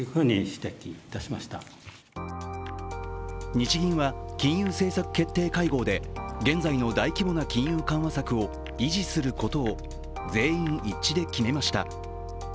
日銀は、金融政策決定会合で現在の大規模な金融緩和策を維持することを全員一致で決めました。